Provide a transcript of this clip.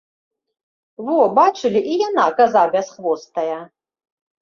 Во, бачылі, і яна, каза бясхвостая!